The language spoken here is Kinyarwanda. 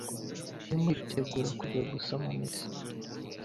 arimo yitegura kujya gusoma misa,